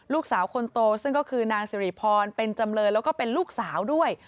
ลูกสาวคนโตซึ่งก็คือนางสิริพรเป็นจำเลยแล้วก็เป็นลูกสาวด้วย